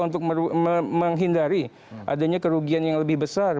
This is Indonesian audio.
untuk menghindari adanya kerugian yang lebih besar